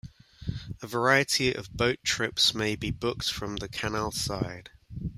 A variety of boat trips may be booked from the canalside.